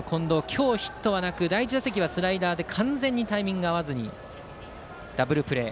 今日、ヒットはなく第１打席はスライダーで完全にタイミングが合わずダブルプレー。